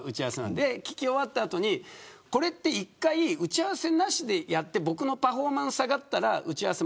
聞き終わった後でこれ一回打ち合わせなしでやって僕のパフォーマンスが下がったら打ち合わせ